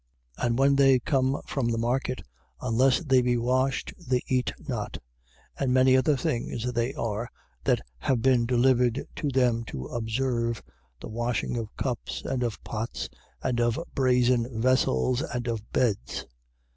7:4. And when they come from the market, unless they be washed, they eat not: and many other things there are that have been delivered to them to observe, the washings of cups and of pots and of brazen vessels and of beds.